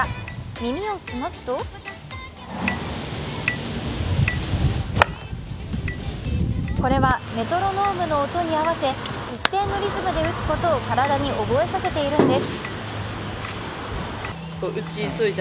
耳を澄ますとこれはメトロノームの音に合わせ一定のリズムで打つことを体に覚えさせているんです。